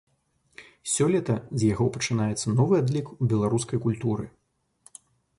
Сёлета з яго пачынаецца новы адлік у беларускай культуры.